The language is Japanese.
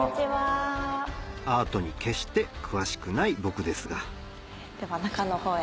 アートに決して詳しくない僕ですがでは中の方へ。